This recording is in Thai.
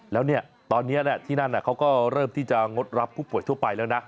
แล้วตอนนี้ที่นั่นเขาก็เริ่มที่จะงดรับผู้ป่วยทั่วไปแล้วนะ